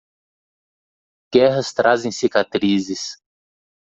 Guerras trazem cicatrizes.